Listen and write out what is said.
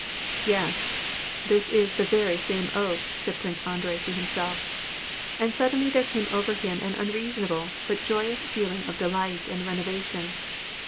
" Yes, this is the very same oak," said Prince Andrei to himself ; and suddenly there came over him an unreasonable, but joyous, feeling of delight and renovation.